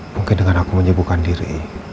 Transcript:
mungkin dengan aku menyebuhkan diri